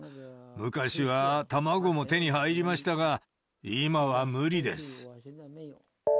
昔は卵も手に入りましたが、今は無理です。